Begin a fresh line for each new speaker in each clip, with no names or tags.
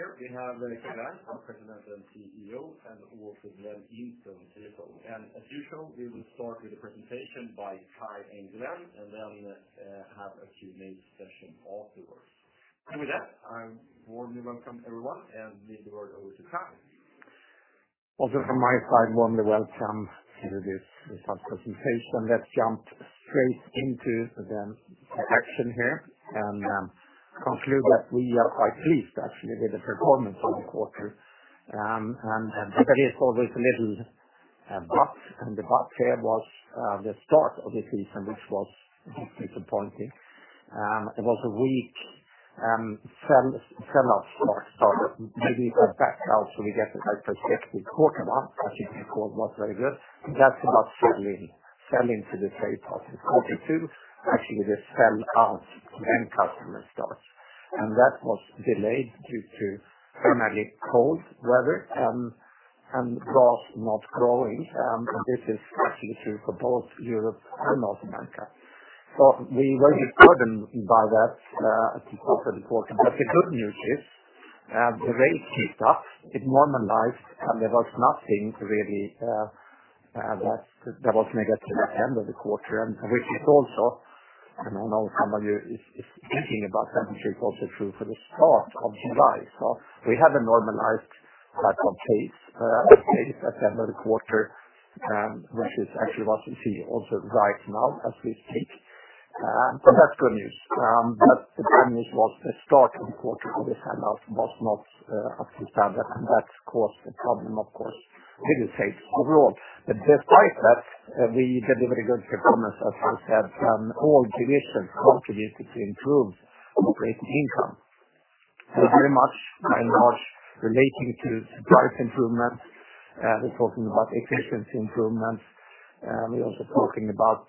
Here we have Kai Wärn, our President and CEO, and also Glen Instone. As usual, we will start with a presentation by Kai and Glen, and then have a Q&A session afterwards. With that, I warmly welcome everyone and give the word over to Kai.
Also from my side, warmly welcome to this presentation. Let's jump straight into the action here, conclude that we are quite pleased actually with the performance of the quarter. But there is always a little but, and the but here was the start of the season, which was disappointing. It was a weak sell-out start. Maybe it was bad weather, so we get a type of second quarter one, actually the quarter was not very good. That's about selling to the trade part of the quarter 2, actually, the sell-out to end customer starts. That was delayed due to climatic cold weather, and grass not growing. This is actually true for both Europe and North America. We were burdened by that at the quarter-to-quarter. The good news is, the rain kicked up, it normalized, and there was nothing really that was negative at the end of the quarter. Which is also, and I know some of you is thinking about that, which is also true for the start of July. We have a normalized type of pace at the end of the quarter, which is actually what we see also right now as we speak. That's good news. The bad news was the start of the quarter for the sell-out was not up to standard, and that caused a problem, of course, to the sales overall. Despite that, we delivered a good performance, as I said, and all divisions contributed to improved operating income. Very much, by and large, relating to price improvements. We're talking about efficiency improvements. We're also talking about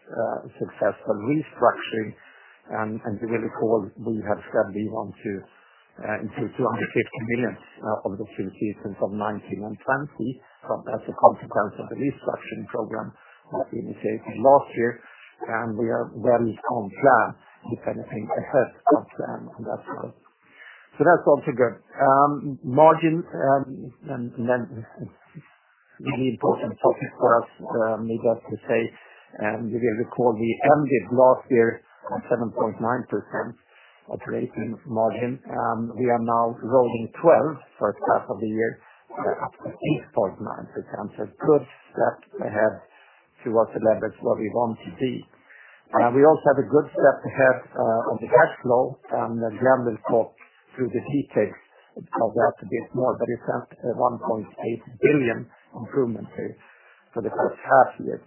successful restructuring. You will recall, we have said we want to take 250 million of the synergies from 2019 and 2020 as a consequence of the restructuring program that we initiated last year, and we are well on plan with anything ahead of plan on that side. That's also good. Margin, then it's a really important topic for us, needless to say. You will recall we ended last year at 7.9% operating margin. We are now rolling 12 for first half of the year at 8.9%, good step ahead towards the leverage where we want to be. We also have a good step ahead on the cash flow. Glen will talk through the details of that a bit more, but it's a 1.8 billion improvement here for the first half year.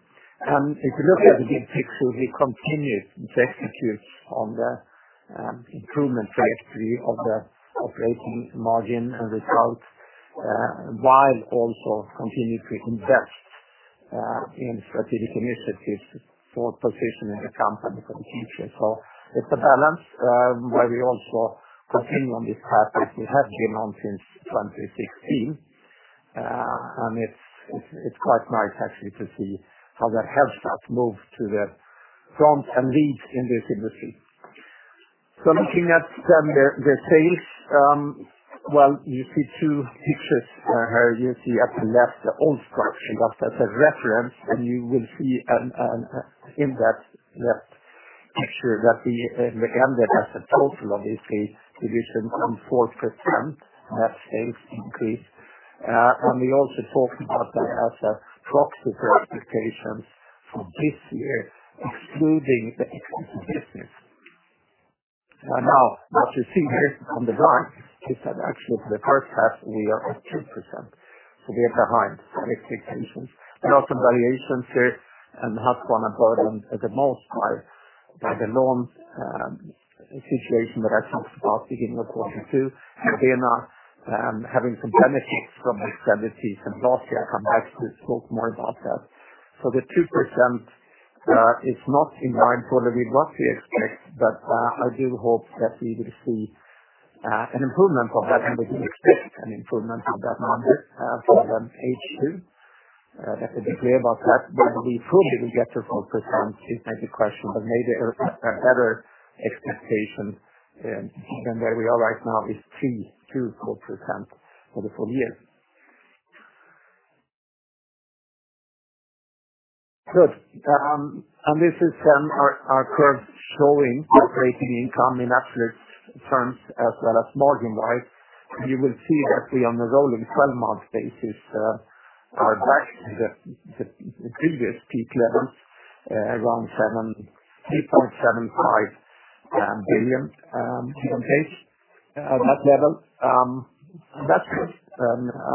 If you look at the big picture, we continue to execute on the improvement trajectory of the operating margin and results, while also continuing to invest in strategic initiatives for positioning the company for the future. It's a balance, where we also continue on this path that we have been on since 2016. It's quite nice actually to see how that headstart moves to the front and leads in this industry. Looking at the sales, well, you see two pictures here. You see at the left the old structure, that's as a reference, and you will see in that left picture that we landed as a total of the three divisions on 4% net sales increase. We also talked about that as a proxy for expectations for this year, excluding the [Exited Consumer Brands business]. What you see here on the right is that actually for the first half we are at 2%, we are behind our expectations. There are some variations here, Husqvarna burdened the most by the lawn situation that I talked about beginning of 2022. GARDENA having some benefits from the strategies from last year, I will talk more about that. The 2% is not in line totally with what we expect, but I do hope that we will see an improvement of that, and we do expect an improvement of that number for the page two. The degree of that, whether we fully will get to 4%, is maybe a question, but maybe a better expectation than where we are right now is 2%-4% for the full year. This is our curve showing operating income in absolute terms as well as margin-wise. You will see that we on the rolling 12-month basis are back to the previous peak level, around SEK 3.75 billion in case of that level.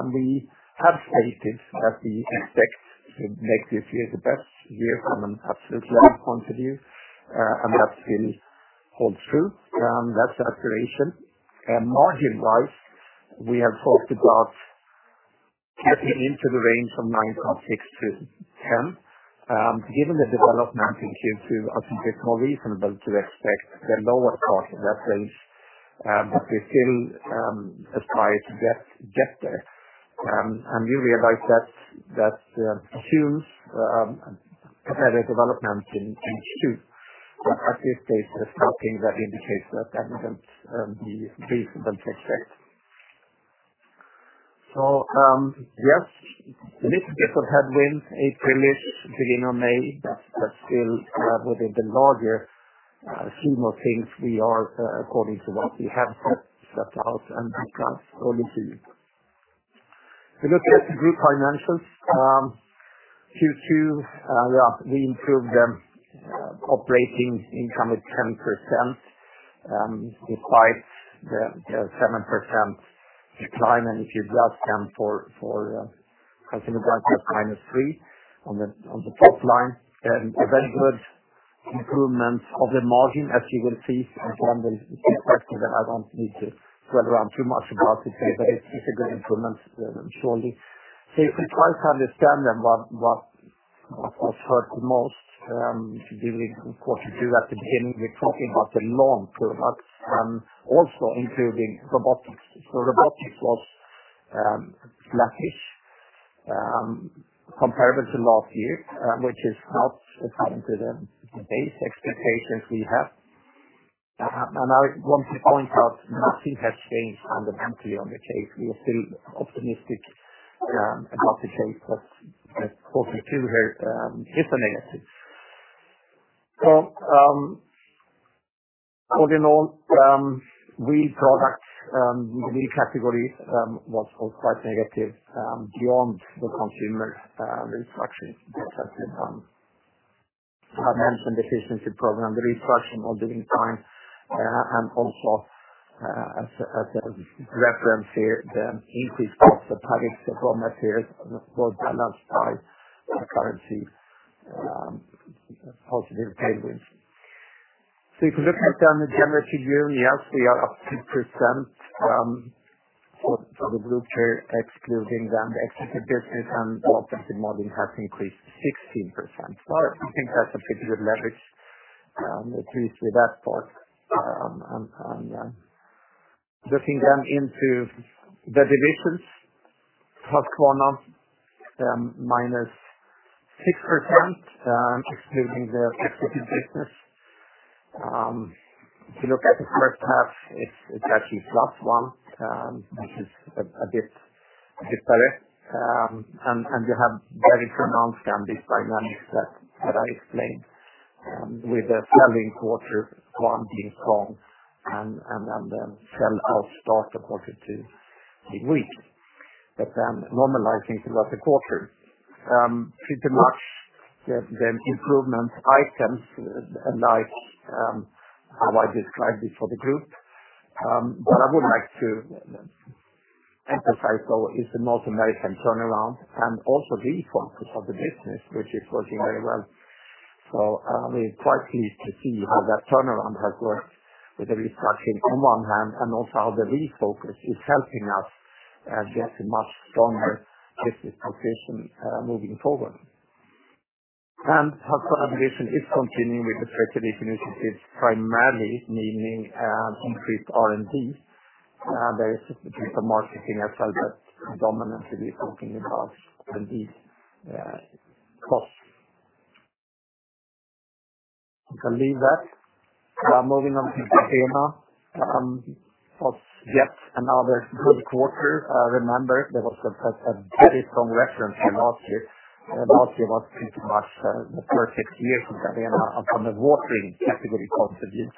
We have stated that we expect to make this year the best year from an absolute level point of view, and that's been held true. That's acceleration. Margin-wise, we have talked about getting into the range from 9.6%-10%. Given the development in Q2, I think it's more reasonable to expect the lower part of that range. We still aspire to get there. You realize that assumes a better development in Q2. At this stage, there's nothing that indicates that that wouldn't be reasonable to expect. Yes, a little bit of headwind, April-ish, beginning of May, still within the larger scheme of things, we are according to what we have set out and we can only see. If you look at the group financials, Q2, we improved the operating income of 10%, despite the 7% decline. If you adjust them for Consumer Brands, that's -3% on the top line, and a very good improvement of the margin, as you will see from the perspective that I don't need to dwell around too much about it. It's a great improvement surely. If we try to understand then what was hurt the most, during Q2 at the beginning, we're talking about the lawn products and also including robotics. Robotics was sluggish, comparable to last year, which is not according to the base expectations we have. I want to point out, nothing has changed fundamentally on the case. We are still optimistic about the case. Q2 here is a negative. All in all, wheeled products, wheeled categories, was also quite negative, beyond the consumer restructuring that has been mentioned, the efficiency program, the restructuring of during time, and also as a reference here, the increase of the public raw materials was balanced by currency positive tailwinds. If you look at the EBIT yearly, yes, we are up 2% for the group here, excluding the exited business, and operating margin has increased 16%. I think that's a pretty good leverage, at least with that part. Looking then into the divisions, Husqvarna, -6%, excluding the exited business. If you look at the first half, it's actually +1%, which is a bit disparate. You have very pronounced dynamic effect that I explained, with the selling quarter one being strong and the sell-out start of quarter two being weak, normalizing throughout the quarter. Pretty much the improvement items, like how I described it for the group. What I would like to emphasize, though, is the North American turnaround and also the refocus of the business, which is working very well. We're quite pleased to see how that turnaround has worked with the restructuring on one hand, and also how the refocus is helping us get a much stronger business position moving forward. Husqvarna division is continuing with the strategic initiatives, primarily meaning increased R&D. There is a bit of marketing as well, but dominantly talking about R&D costs. You can leave that. Moving on to GARDENA. Was yet another good quarter. Remember, there was a very strong reference from last year. Last year was pretty much the perfect year for GARDENA on the watering category point of view.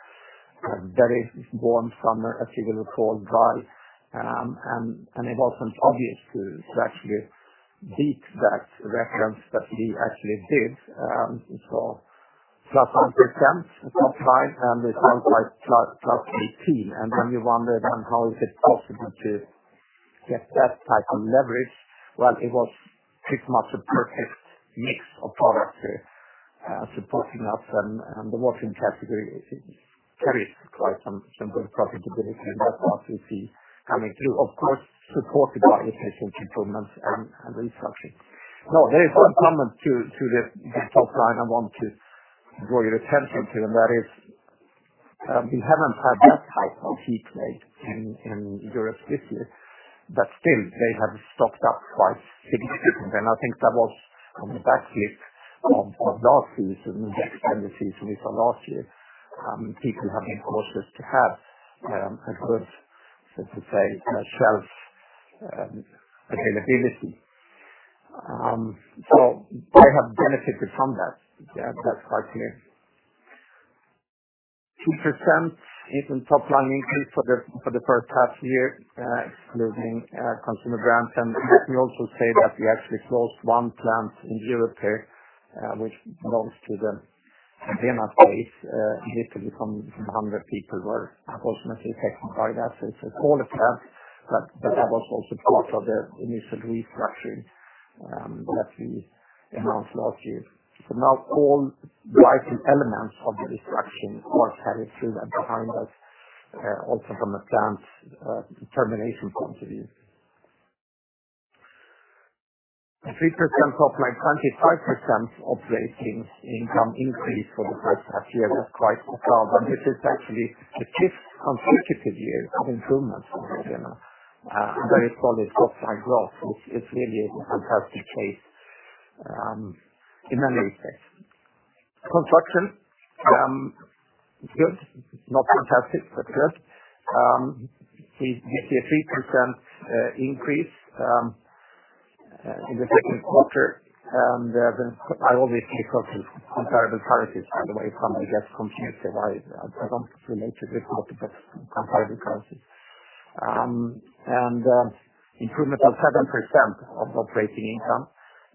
A very warm summer, as you will recall, dry. It wasn't obvious to actually beat that reference. We actually did. Plus 1% top line. This sounds like +18%. You wonder then how is it possible to get that type of leverage? It was pretty much a perfect mix of products supporting us. The watering category carries quite some good profitability that you see coming through, of course, supported by efficient improvements and restructuring. There is one comment to this top line I want to draw your attention to. That is, we haven't had that type of heat wave in Europe this year, still they have stocked up quite significantly. I think that was on the back of last season, the extended season we saw last year. People have been cautious to have a good, so to say, shelf availability. They have benefited from that. That's quite clear. 2% top-line increase for the first half year, excluding Consumer Brands. Let me also say that we actually closed one plant in Europe here, which belongs to the GARDENA base. A little bit from 100 people were ultimately affected by that. It's a smaller plant. That was also part of the initial restructuring that we announced last year. Now all driving elements of the restructuring are carried through and behind us, also from a plant termination point of view. A 3% top-line, 25% operating income increase for the first half year is quite profound. This is actually the fifth consecutive year of improvement for GARDENA. A very solid top-line growth, which really is a fantastic case in many respects. Construction. Good. Not fantastic, but good. We see a 3% increase in the second quarter. I always keep talking comparable currencies, by the way, if somebody gets confused, because I don't relate to this a lot, but comparable currencies. Improvement of 7% of operating income.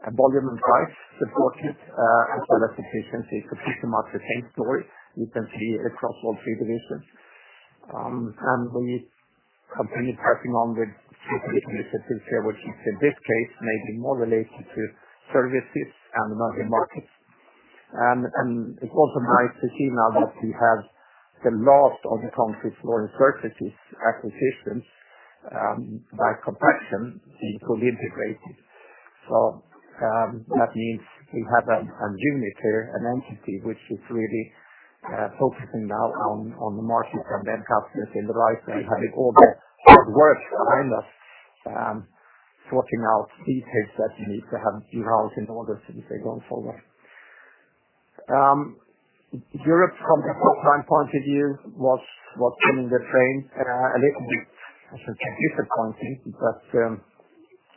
Volume and price supported, as well as efficiency. Pretty much the same story you can see across all three divisions. We continue pressing on with strategic initiatives here, which in this case may be more related to services and the market. It's also nice to see now that we have the last of the Concrete Surfaces and Floors acquisitions by completion, fully integrated. That means we have a unit here, an entity, which is really focusing now on the markets and the end customers in the right way, having all the hard work behind us, sorting out details that you need to have resolved in order to move it going forward. Europe, from a top-line point of view, was pulling the train a little bit. I should say disappointing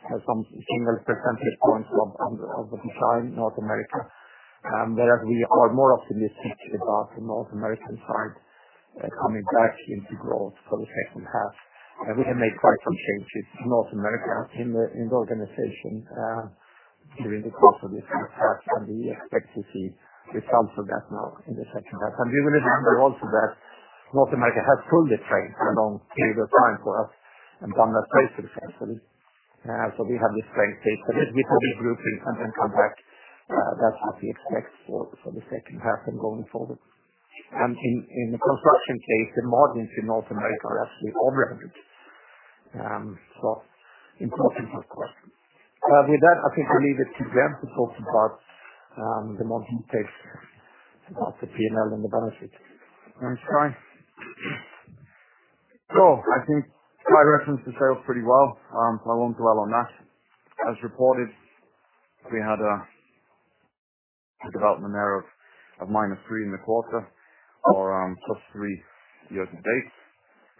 that some single percentage points of the decline North America. Whereas we are more optimistic about the North American side coming back into growth for the second half. We have made quite some changes in North America in the organization during the course of this first half, and we expect to see results of that now in the second half. We remember also that North America has pulled the train a long period of time for us and done that very successfully. We have this great case study before these groups and come back. That's what we expect for the second half and going forward. In the construction case, the margins in North America are actually over average. Important, of course. With that, I think we leave it to Glen to talk about the margin take, about the P&L, and the benefits.
Thanks, Kai. I think Kai referenced the sales pretty well. I won't dwell on that. As reported, we had a development there of -3% in the quarter or +3% year to date,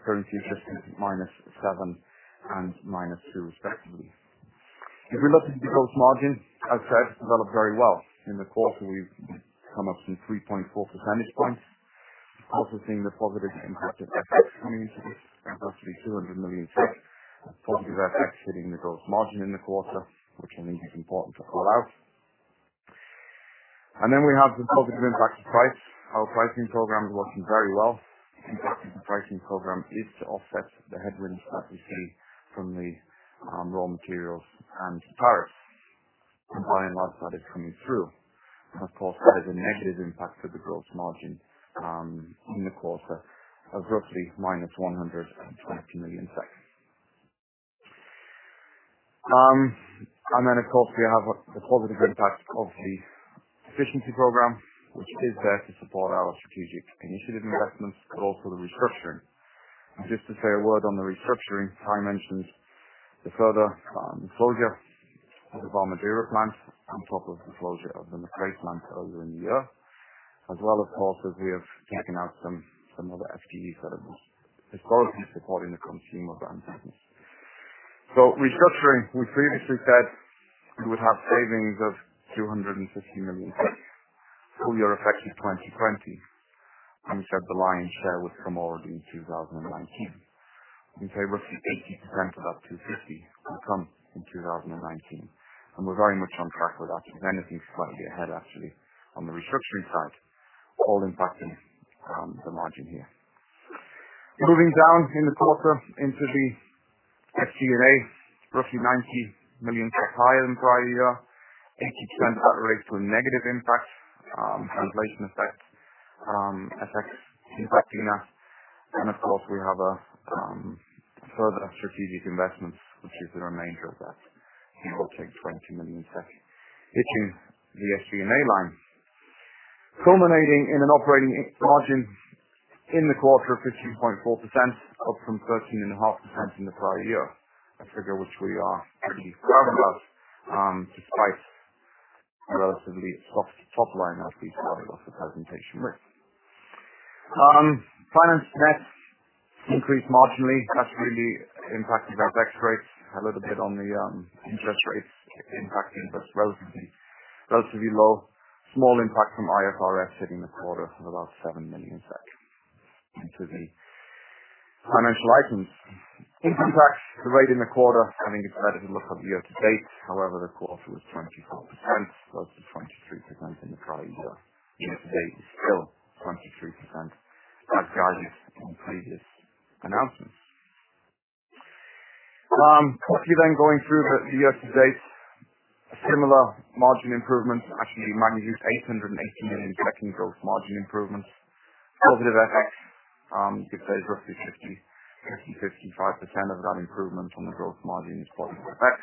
current year to date -7% and -2% respectively. If we look at the gross margin, as said, it's developed very well. In the quarter, we've come up some 3.4 percentage points, also seeing the positive impact of FX synergies, roughly 200 million of positive FX sitting in the gross margin in the quarter, which I think is important to call out. Then we have the positive impact of price. Our pricing program is working very well. The purpose of the pricing program is to offset the headwinds that we see from the raw materials and tariffs. I'm glad that is coming through. That is a negative impact to the gross margin, in the quarter of roughly minus 120 million. We have the positive impact of the efficiency program, which is there to support our strategic initiative investments, but also the restructuring. Just to say a word on the restructuring, Kai mentioned the further closure of the Värmdö plant on top of the closure of the McRae plant earlier in the year. As well, of course, as we are taking out some other SKUs that are not as strongly supporting the Consumer Brands business. Restructuring, we previously said we would have savings of 250 million, full year effect is 2020. We said the lion's share would come already in 2019. We say roughly 80% of that two fifty will come in 2019, and we're very much on track with that. As a matter of fact, slightly ahead actually on the restructuring side, all impacting the margin here. Moving down in the quarter into the SG&A, roughly 90 million higher than prior year. 80% of that relates to a negative impact, translation effects impacting us. We have a further strategic investment, which is the remainder of that, in all take 20 million, hitting the SG&A line. Culminating in an operating margin in the quarter of 15.4%, up from 13.5% in the prior year. A figure which we are pretty proud of, despite a relatively soft top line as we saw in what the presentation is. Finance net increased marginally. That's really impacted our tax rates a little bit on the interest rates impacting this relatively. Those of you who know, small impact from IFRS hitting the quarter for about 7 million into the financial items. Income tax rate in the quarter having a better look on year-to-date. The quarter was 24% close to 23% in the prior year. Year-to-date is still 23% as guided on previous announcements. Quickly going through the year-to-date. Similar margin improvements, actually magnitude 880 million in gross margin improvements. Positive FX, I'd say is roughly 50%-55% of that improvement on the gross margin is positive FX.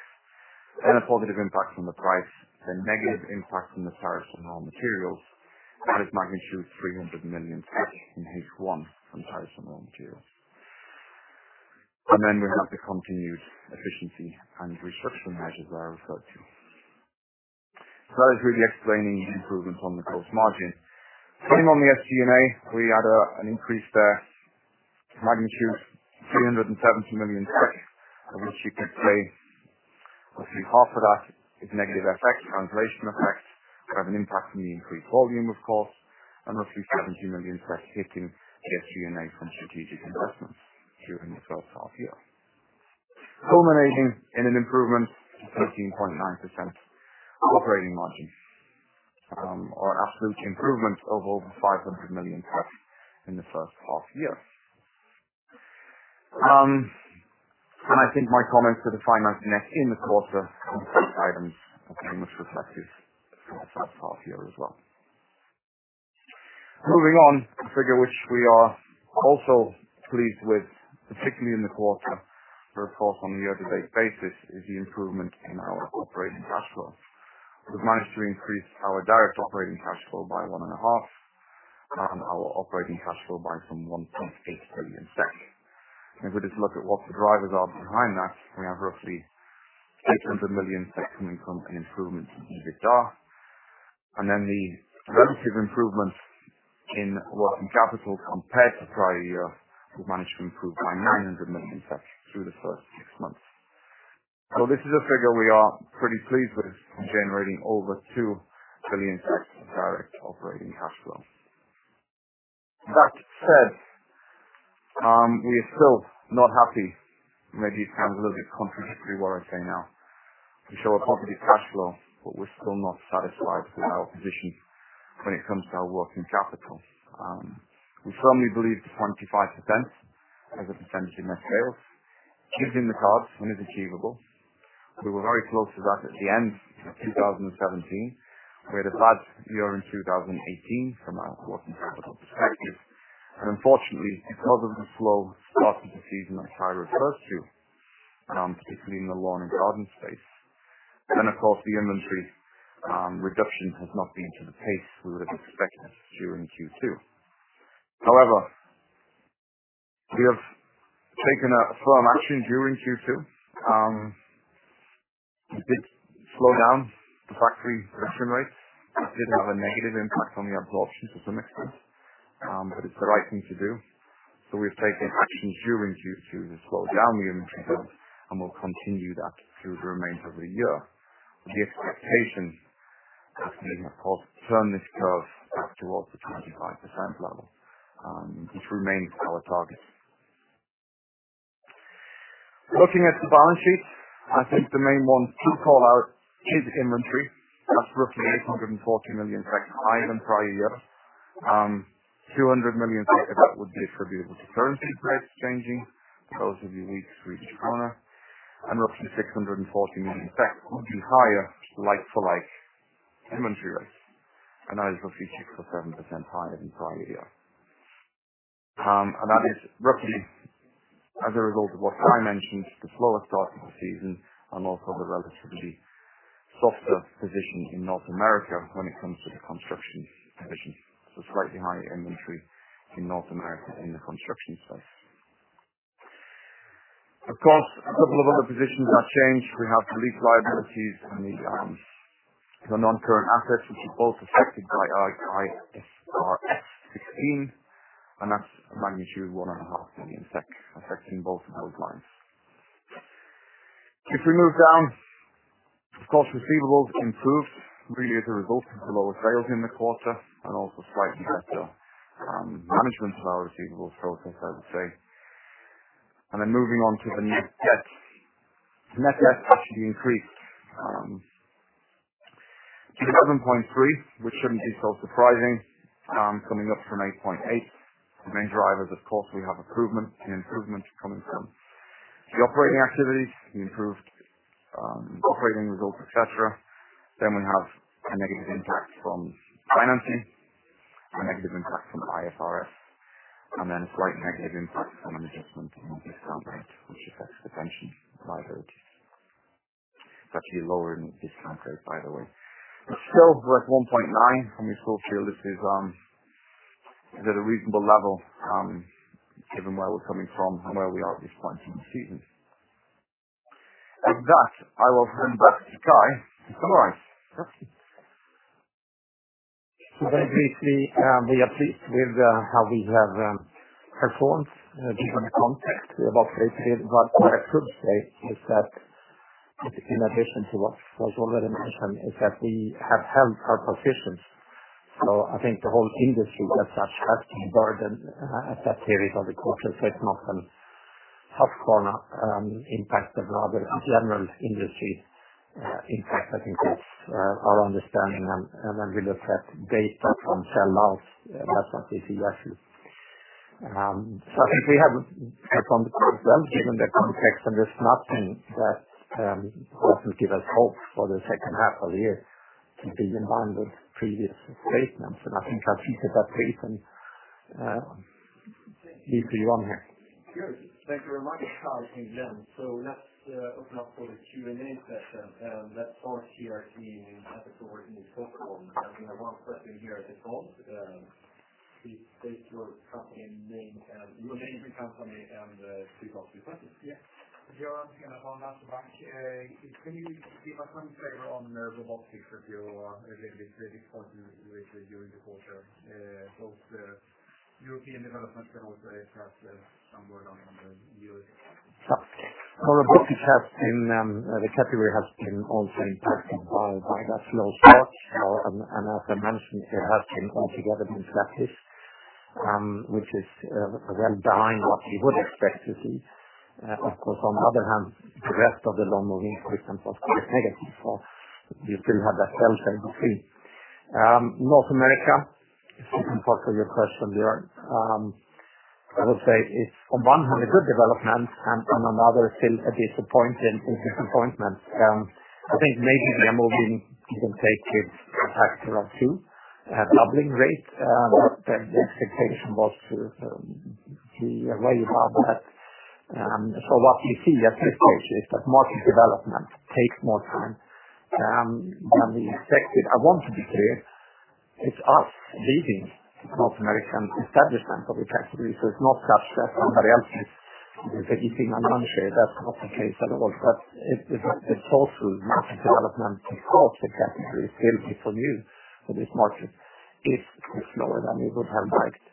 A positive impact from the price, then negative impact from the tariffs on raw materials. That is magnitude 300 million in H1 from tariffs on raw material. Then we have the continued efficiency and restructure measures I referred to. That is really explaining the improvements on the gross margin. Coming on the SG&A, we had an increased magnitude of 370 million, of which you can see roughly half of that is negative FX, translation effects. We have an impact from the increased volume, of course, and roughly 70 million hitting SG&A from strategic investments during the first half year. Culminating in an improvement to 13.9% operating margin or absolute improvement of over 500 million in the first half year. I think my comments for the finance net in the quarter on the items are pretty much reflective throughout that half year as well. Moving on. A figure which we are also pleased with, particularly in the quarter, but of course on a year-to-date basis, is the improvement in our operating cash flow. We've managed to increase our direct operating cash flow by 1.5% and our operating cash flow by some 1.8 billion SEK. We just look at what the drivers are behind that, we have roughly 800 million SEK coming from the improvements in EBITDA, then the relative improvements in working capital compared to prior year. We've managed to improve by 900 million through the first six months. This is a figure we are pretty pleased with in generating over 2 billion of direct operating cash flow. That said, we are still not happy. Maybe it sounds a little bit contradictory what I say now. We show a positive cash flow, but we're still not satisfied with our position when it comes to our working capital. We firmly believe the 25% as a percentage of net sales is in the cards and is achievable. We were very close to that at the end of 2017. We had a bad year in 2018 from a working capital perspective. Unfortunately, because of the slow start to the season that Kai refers to, particularly in the lawn and garden space, of course the inventory reduction has not been to the pace we would have expected during Q2. However, we have taken firm action during Q2. We did slow down the factory production rates. It did have a negative impact on the absorption to some extent, but it's the right thing to do. We've taken action during Q2 to slow down the inventory build, and we'll continue that through the remainder of the year. The expectation is, of course, turn this curve back towards the 25% level, which remains our target. Looking at the balance sheet, I think the main ones to call out is inventory. That's roughly 840 million higher than prior year. 200 million of that would be attributable to currency rates changing for those of you weak Swedish krona. Roughly 640 million would be higher like-to-like inventory rates, and that is roughly 6% or 7% higher than prior year. That is roughly as a result of what Kai mentioned, the slower start to the season and also the relatively softer position in North America when it comes to the construction division. Slightly higher inventory in North America in the construction space. Of course, a couple of other positions have changed. We have lease liabilities and the non-current assets, which is both affected by IFRS 16. That's a magnitude of 1.5 million SEK affecting both those lines. We move down, of course, receivables improved, really as a result of the lower sales in the quarter and also slightly better management of our receivables process, I would say. Moving on to the net debt. Net debt actually increased to 11.3, which shouldn't be so surprising. Coming up from 8.8. The main drivers, of course, we have an improvement coming from the operating activities, the improved operating results, et cetera. We have a negative impact from financing, a negative impact from IFRS, then a slight negative impact from an adjustment in discount rate, which affects the pension liability. It's actually a lower discount rate, by the way. Still we're at 1.9, and we still feel this is at a reasonable level, given where we're coming from and where we are at this point in the season. With that, I will hand back to Kai to summarize.
Very briefly, we are pleased with how we have performed given the context of what they said. What I should say is that in addition to what was already mentioned, is that we have held our positions. I think the whole industry got that hefty burden at that period of the quarter. It's not a Husqvarna impact, but rather a general industry impact, I think is our understanding. When we look at data from sell-outs and that sort of thing actually. I think we have performed quite well given the context. There's nothing that doesn't give us hope for the second half of the year to be in line with previous statements. I think I'll leave it at that, and leave to Johan here.
Good. Thank you very much, Kai and Glen. Let's open up for the Q&A session. Let's start here at the category in Stockholm. We have one question here at the top Please state your company name and the three boxes.
Yes. Björn, can I come back? Can you give us some flavor on robotics that you are a little bit disappointed with during the quarter? Both European developments and also perhaps some word on the U.S.
Yeah. Robotics, the category has been all impacted by that slow start. As I mentioned, it has been altogether been flat-ish, which is well behind what we would expect to see. Of course, on the other hand, the rest of the lawn mowing equipment was quite negative. We still have that tailwind. North America, to answer your question, Björn, I would say it's on one hand a good development, and on another, still a disappointment. I think maybe the mowing season takes its act around too, doubling rate. The expectation was to be way above that. What you see at this stage is that market development takes more time than we expected. I want to be clear, it's us leading the North American establishment of the category, so it's not such that somebody else is taking a lion's share. That's not the case at all. The total market development of the category, still is new to this market, is slower than we would have liked.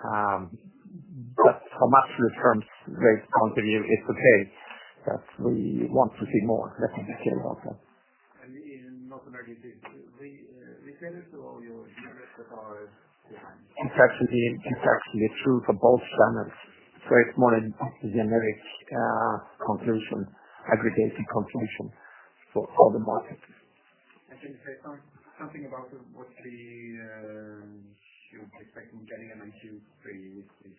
For much of the term, great continue, it's okay, but we want to see more. Let me be clear about that.
In North America, is the sales to all your units that are
It's actually true for both channels. It's more a generic conclusion, aggregated conclusion for the market.
Can you say something about what you're expecting getting an issue with the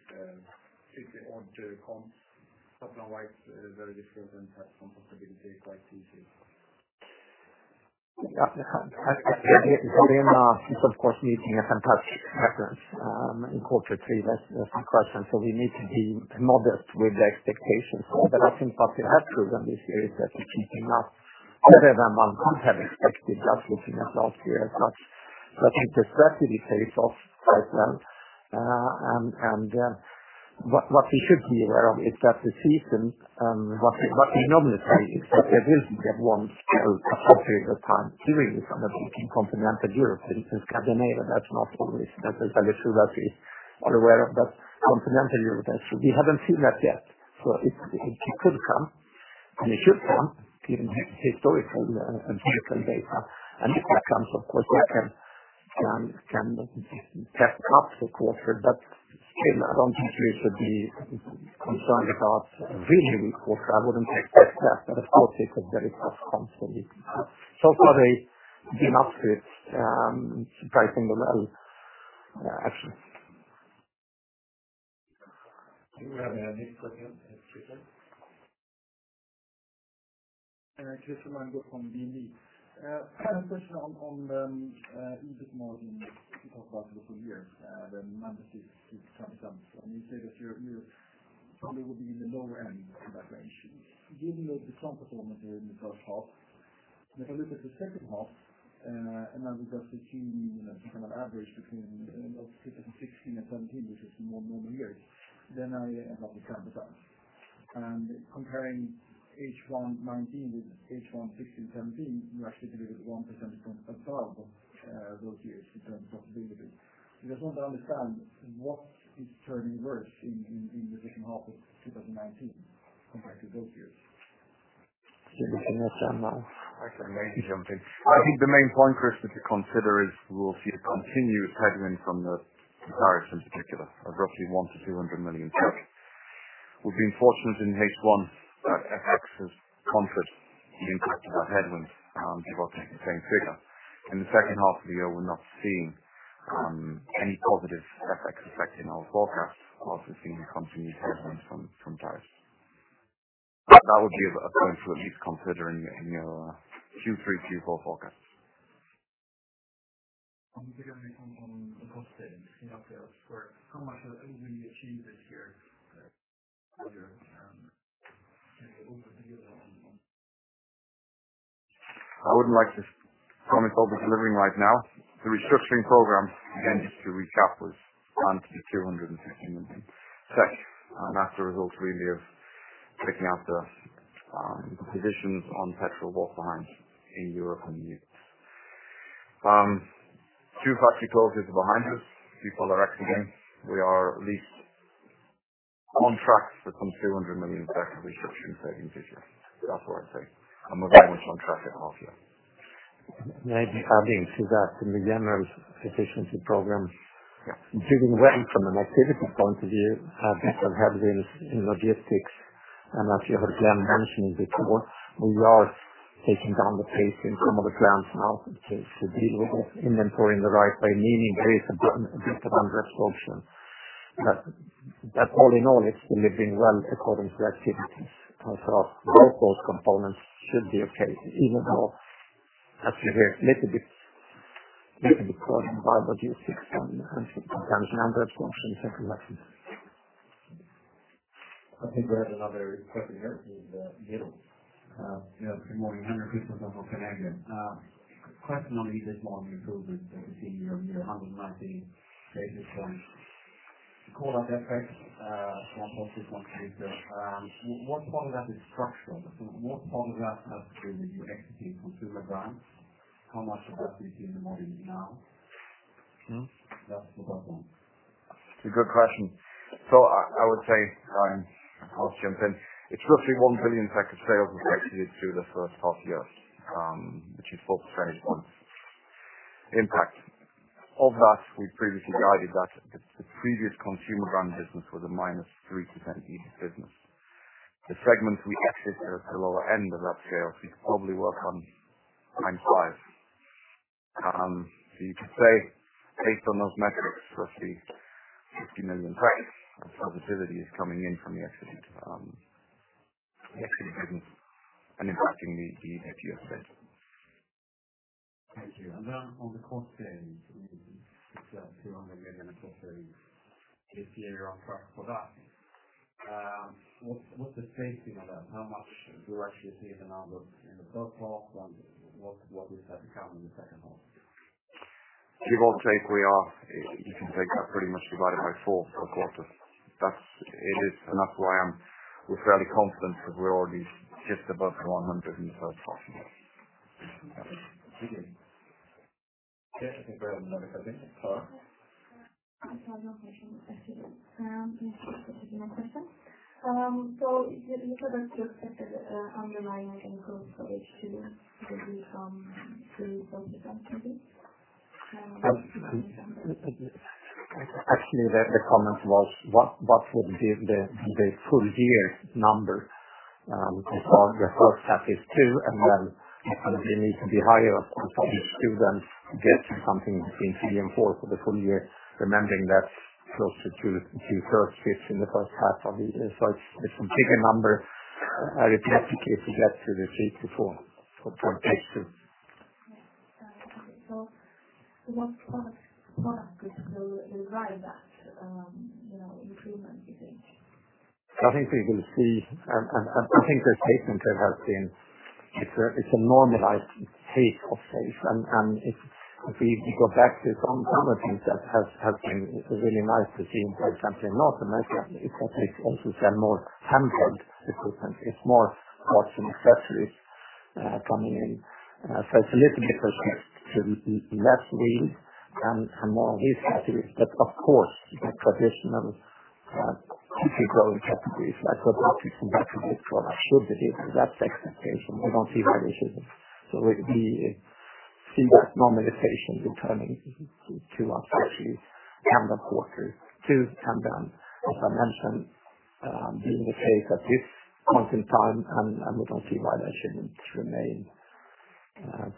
order comps, top line, very different and has some possibility quite easily.
The dilemma is, of course, meeting a fantastic reference in quarter three. That's the question. We need to be modest with the expectations. I think what we have proven this year is that we're keeping up better than one could have expected, looking at last year as such. We expect it to pay off quite well. What we should be aware of is that the season, what we normally see is that there is that one peak period of time during the summer in continental Europe, for instance, GARDENA, that's not always. That is true that we are aware of that continental Europe actually, we haven't seen that yet. It could come, and it should come given historical and seasonal data. If that comes, of course, that can dress up the quarter, but still, I don't think we should be concerned about a really weak quarter. I wouldn't expect that. Of course, it's a very tough comp for me. So far, they've been up to it surprisingly well actually.
Do we have a next question?
Christer Magnergård from DNB. Kind of question on e-commerce in the full year, the -6%-20%. You say that you probably would be in the lower end of that range, given the strong performance during the first half. If I look at the second half, now we just assume some kind of average between end of 2016 and 2017, which is more normal years, then I end up with 20%. Comparing H1 2019 with H1 2016, 2017, you actually delivered 1 percentage point above those years in terms of profitability. I just want to understand what is turning worse in the second half of 2019 compared to those years.
Maybe Sven now.
I can maybe jump in. I think the main point, Chris, to consider is we'll see a continued headwind from tariffs in particular, of roughly 100 million-200 million. We've been fortunate in H1 that FX has countered the impact of that headwind to roughly the same figure. In the second half of the year, we're not seeing any positive FX effect in our forecast. We're also seeing a continued headwind from tariffs. That would be a point to at least consider in your Q3, Q4 forecast.
On the cost savings in Husqvarna, how much of it will you achieve this year?
I wouldn't like to promise over-delivering right now. The restructuring program aims to reach upwards around 250 million, that's the result really of taking out the positions on petrol walk behinds in Europe and the U.S. Two factory closes are behind us. People are acting. We are at least on track for some 200 million of restructuring savings this year. That's what I'd say. We're very much on track at half year.
Maybe adding to that, in the general efficiency program, doing well from an activity point of view, better than in logistics. As you have, Glen, mentioned before, we are taking down the pace in some of the plants now to deal with inventory in the right way, meaning there is a bit of unrestruction. All in all, it's delivering well according to activities across both those components should be okay, even though actually we're a little bit caught by what you fix on the number of functions that you have. I think we have another question here from Henrik.
Yeah. Good morning. Henrik Christiansson from Carnegie. A question on the EBIT margin improvement that we've seen year-over-year, 119 basis points. The call-out effect, one positive contributor. What part of that is structural? What part of that has to do with you exiting Consumer Brands? How much of that is in the model now? That's the first one.
I would say, Henrik, I'll jump in. It's roughly 1 billion package sales we forecasted through the first half year, which is 4% impact. Of that, we previously guided that the previous Consumer Brands business was a -3% EBIT business. The segment we exited is at the lower end of that scale, so you could probably work on times five. You could say based on those metrics, roughly 50 million package of profitability is coming in from the exited business and impacting the EBIT, you said.
Thank you. Then on the cost savings, it's SEK 200 million of cost savings this year. You're on track for that. What's the pacing of that? How much do you actually see the amount of in the first half and what is that become in the second half?
Give or take, you can take that pretty much divided by four for quarters. That's why we're fairly confident that we're already just above SEK 100 million in the first half. Okay. Thank you. I think we have another question. Klara?
I have no question. Thank you. This is my question. You said that you expected underlying growth for H2 to be from three point something.
The comment was what would be the full year numbers? On the first half, it's two, and then it needs to be higher, of course. We still then get to something between three and four for the full year, remembering that closer to two-thirds fits in the first half of the year. It's a bigger number, I repeat, if you get to the three to four from H2.
Okay. What products will drive that improvement, you think?
I think we will see the statement that has been, it's a normalized state of play. If we go back to some of the things that has been really nice to see, for example, in North America, is that we also sell more tempered equipment. It's more parts and accessories coming in. It's a little bit of both. Less wheeled and more of these categories. Of course, the traditional, typically growing categories, that's what we are seeing. That's what it should behave, that's the expectation. We don't see why this isn't. We see that normalization returning to us actually end of quarter two. As I mentioned, being the case at this point in time, and we don't see why that shouldn't remain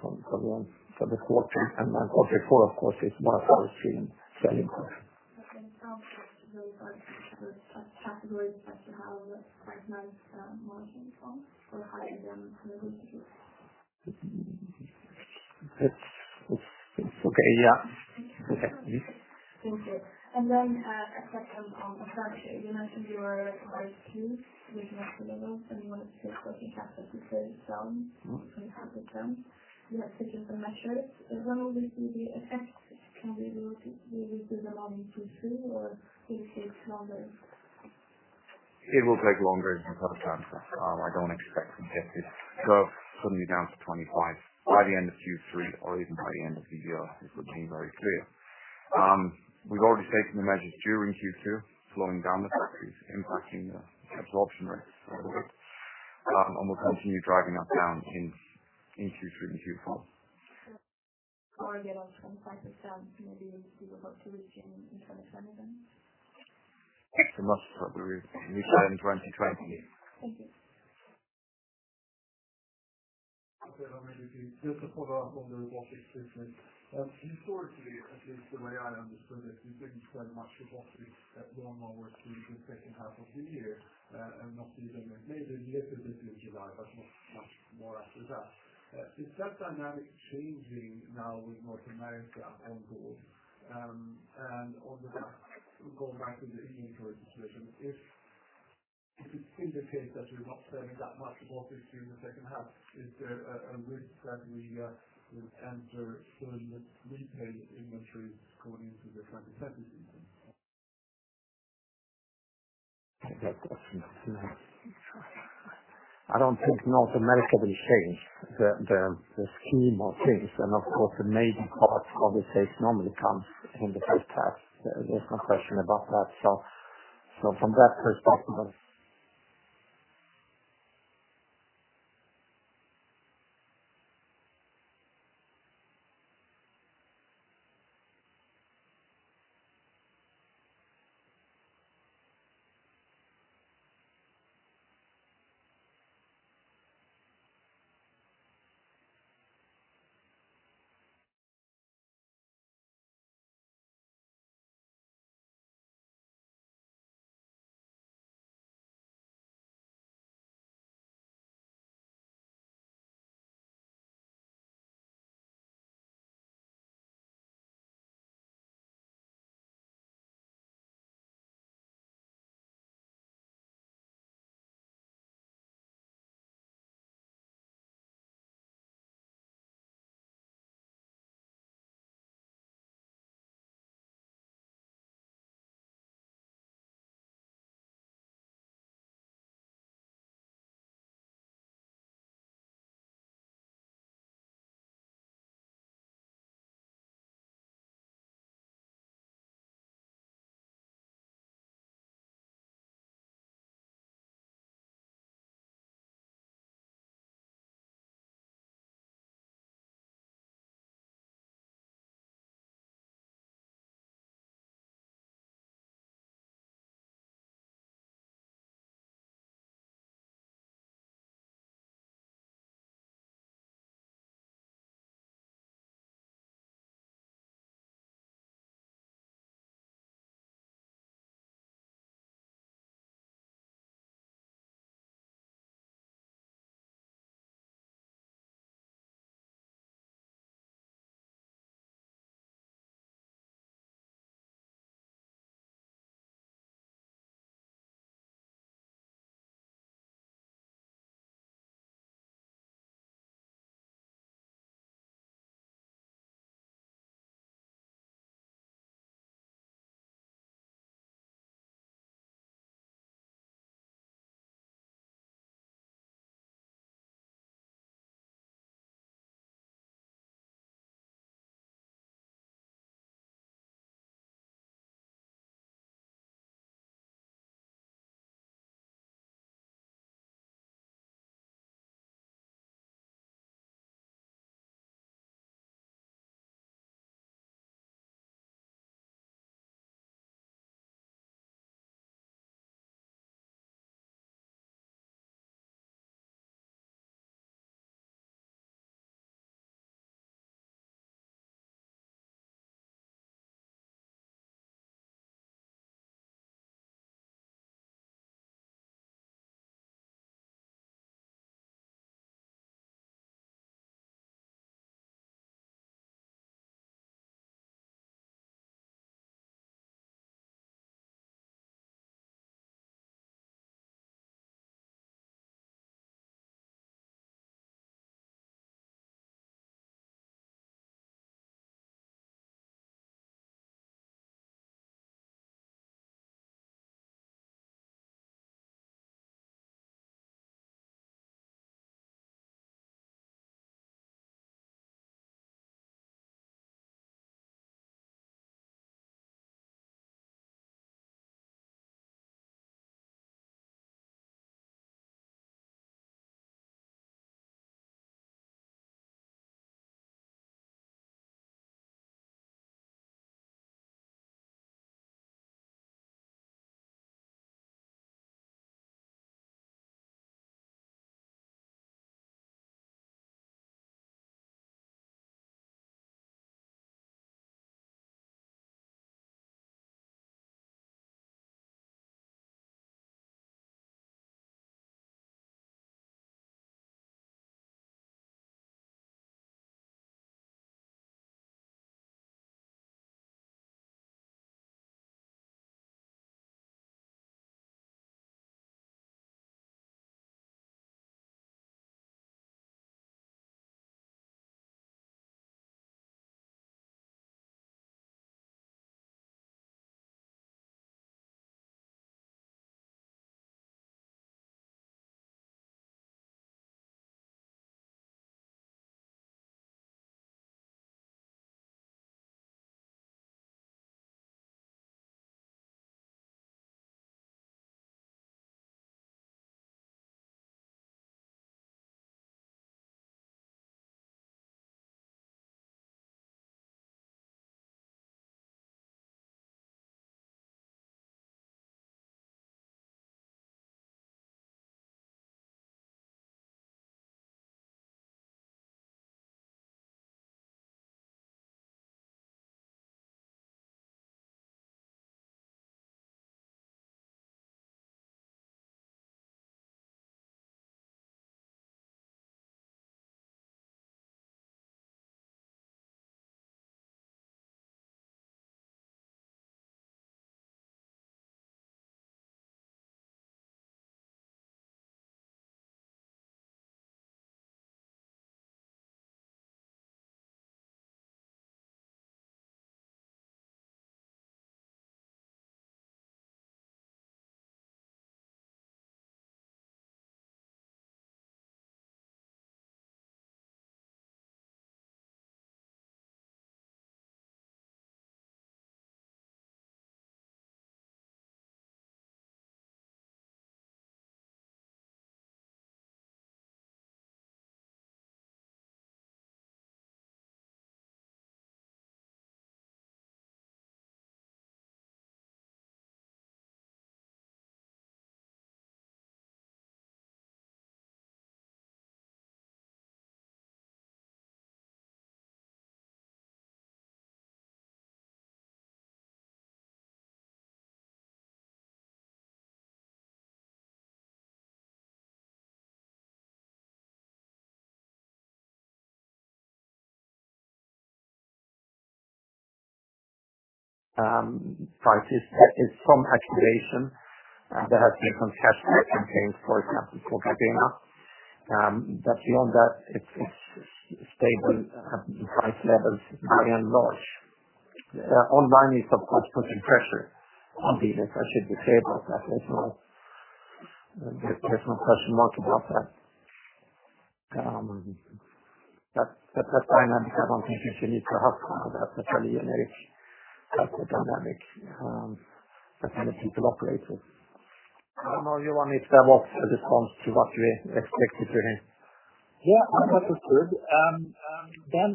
for the quarter. Quarter four, of course, is much more stream selling quarter.
Okay. Sounds like those are categories that you have quite nice margins on or higher than other groups.
It's okay. Yeah.
Thank you. A question on. You mentioned you were quite pleased with the mix of levels, and you wanted to take working capital to 30 some. You have taken some measures. When will we see the effect? Can we really see the margin Q2 or will it take longer?
It will take longer in. I don't expect to get this suddenly down to 25% by the end of Q3 or even by the end of the year. It would be very clear. We've already taken the measures during Q2, slowing down the factories, impacting the absorption rates a little bit. We'll continue driving that down in Q3 and Q4.
Get on 25% maybe we see a recovery again in 2021?
The most probably we reach that in 2020.
Thank you.
Okay. Let me just follow up on the robotic statement. Historically, at least the way I understood it, you didn't sell much robotics at all onwards through the second half of the year, and not even maybe a little bit in July, but not much more after that. Is that dynamic changing now with North America on board? On the back, going back into inventory situation, if it is the case that you're not selling that much robotics through the second half, is there a risk that we would enter some retail inventory going into the 2022 season?
I don't think North America will change the scheme of things. Of course, the major part of the take normally comes in the first half. There's no question about that. From that perspective. Prices. There is some activation. There has been some cash back campaigns, for example, for GARDENA. Beyond that, it's stable at price levels by and large. Online is, of course, putting pressure on dealers, I should be clear about that. There's no question mark about that. That dynamic, I don't think you need to have that's really a generic type of dynamic that many people operate with.
I don't know, Johan, if that was a response to what you expected to hear?
I understood.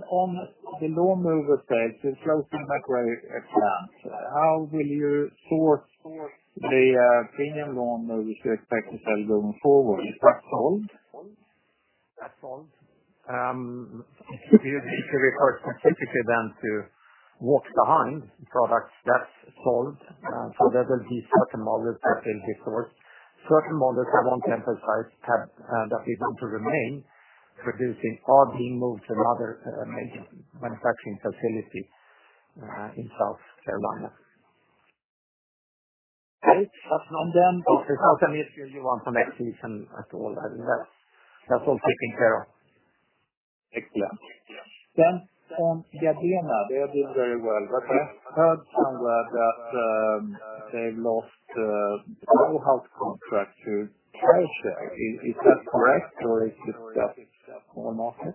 On the lawnmower side, the closing McRae example, how will you sort the premium lawnmower we should expect to sell going forward? Is that sold? That's sold.
Do you need to refer specifically then to what kind products that's sold? There will be certain models that will be sold. Certain models I won't emphasize, that we want to remain producing or being moved to other manufacturing facilities, in South Carolina.
Okay. That's one then.
It's not an issue you want to make decision at all. That's all taken care of.
Excellent. On GARDENA, they are doing very well, but I heard somewhere that they lost a contract to OBI Is that correct, or is it just for the market?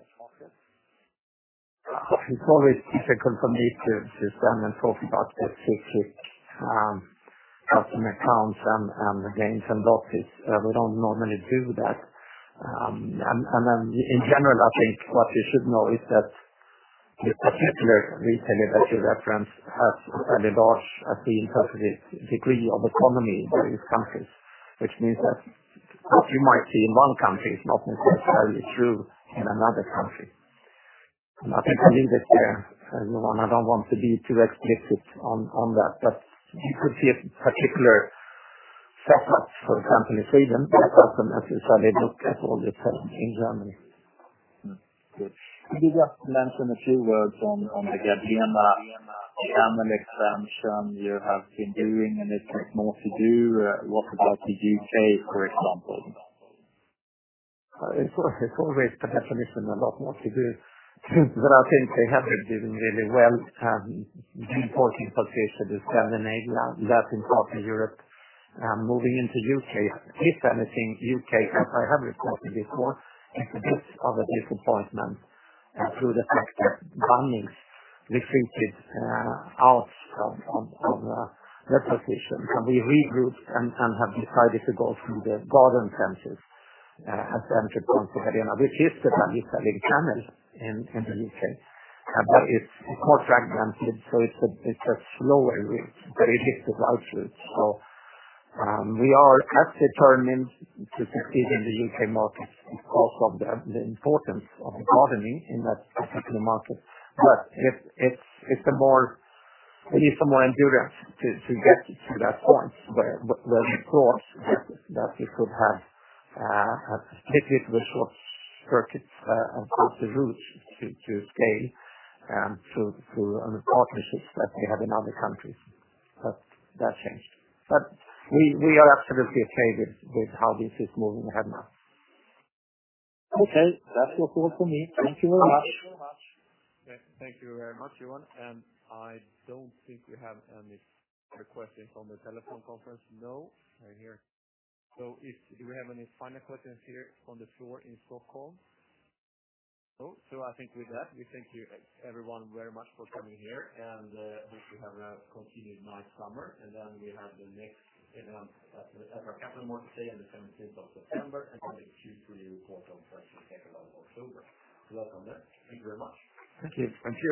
It's always difficult for me to stand and talk about specific customer accounts and gains and losses. We don't normally do that. In general, I think what you should know is that this particular retailer that you referenced, by and large, has the interpretive degree of economy in these countries, which means that what you might see in one country is not necessarily true in another country. I think I'll leave it there, Johan. I don't want to be too explicit on that. You could see a particular segment, for example, in Sweden, that doesn't necessarily look at all the same in Germany.
Good. Could you just mention a few words on the GARDENA channel expansion you have been doing, and it takes more to do. What about the U.K., for example?
It's always the definition a lot more to do. I think they have been doing really well, being 40% of the seven area that's in Northern Europe. Moving into U.K., if anything, U.K., as I have reported before, is a bit of a disappointment, through the fact that Bunnings retreated out of that position. We regrouped and have decided to go through the garden centers, as an entrance to GARDENA, which is the Bunnings selling channel in the U.K. It's more fragmented, so it's a slower but effective outlet. We are as determined to succeed in the U.K. market because of the importance of gardening in that particular market. We need some more endurance to get to that point where we thought that we could have a particularly short circuit across the route to scale, through partnerships that we have in other countries. That changed. We are absolutely okay with how this is moving ahead now.
Okay. That was all from me. Thank you very much. Thank you very much. Thank you very much, everyone. I don't think we have any other questions on the telephone conference. No. I hear. If we have any final questions here on the floor in Stockholm? No. I think with that, we thank you everyone very much for coming here and hope you have a continued nice summer. We have the next event after a couple more today on the 17th of September, then a Q3 call on the 22nd of October. Welcome then. Thank you very much.
Thank you.